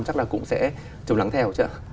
chắc là cũng sẽ trầm lắng theo chứ ạ